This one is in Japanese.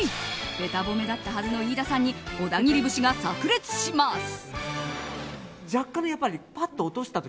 べた褒めだったはずの飯田さんに小田切節が炸裂します。